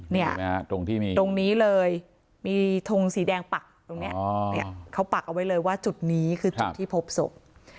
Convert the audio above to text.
ตรงที่มีตรงนี้เลยมีทงสีแดงปักตรงนี้เนี่ยเขาปักเอาไว้เลยว่าจุดนี้คือจุดที่พบศพ